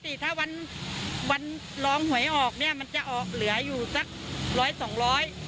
ติถ้าวันวันลองหวยออกเนี่ยมันจะออกเหลืออยู่สักร้อยสองร้อย